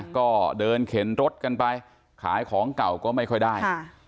ก็เดินเข็นรถกันไปขายของเก่าก็ไม่ค่อยได้